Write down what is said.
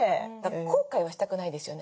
後悔はしたくないですよね。